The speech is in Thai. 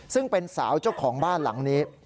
ซึ่งเป็นสาวเจ้าของบ้านหลังนี้